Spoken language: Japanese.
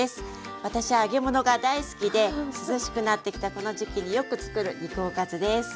私揚げ物が大好きで涼しくなってきたこの時期によくつくる肉おかずです。